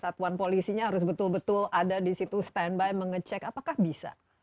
satuan polisinya harus betul betul ada di situ standby mengecek apakah bisa